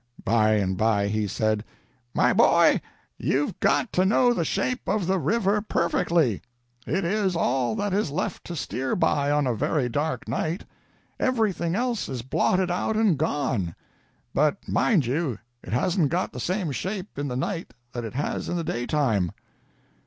By and by he said: "My boy, you've got to know the shape of the river perfectly. It is all that is left to steer by on a very dark night. Everything else is blotted out and gone. But mind you, it hasn't got the same shape in the night that it has in the daytime."